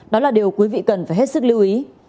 đó là điều quý vị cần phải hết sức lưu ý